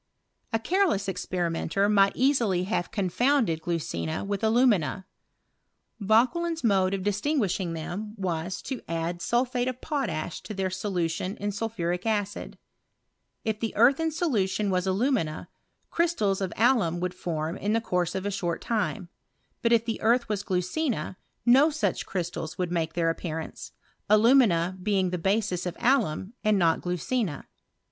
A careless experimenter might easily have confounded glucina with alumina. Vauquelin's mode of distinguishing them was, to add sulphate of potash to their solution in sulphuric acid If the earth in solution was alumina, crystals of alum would form in the course of a short time ; but if the earth was glucina, no such crystals would make their appearance, alumina being the basis of alum, and not glucina.